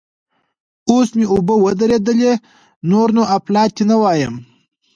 اوس مې اوبه ودرېدلې؛ نور نو اپلاتي نه وایم.